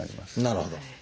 なるほど。